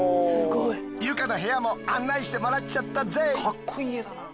ユカの部屋も案内してもらっちゃったぜ。